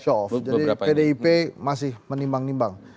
jadi pdip masih menimbang nimbang